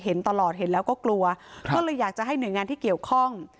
เห็นตลอดเห็นแล้วก็กลัวก็เลยอยากจะให้หน่วยงานที่เกี่ยวข้อง